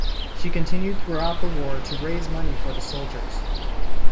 She continued throughout the war to raise money for the soldiers.